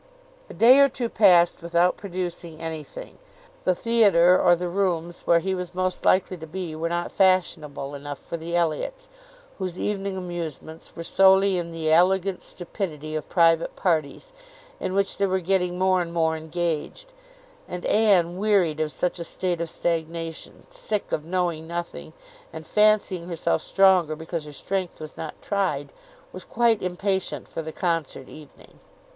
A day or two passed without producing anything. The theatre or the rooms, where he was most likely to be, were not fashionable enough for the Elliots, whose evening amusements were solely in the elegant stupidity of private parties, in which they were getting more and more engaged; and Anne, wearied of such a state of stagnation, sick of knowing nothing, and fancying herself stronger because her strength was not tried, was quite impatient for the concert evening.